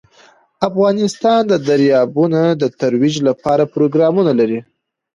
افغانستان د دریابونه د ترویج لپاره پروګرامونه لري.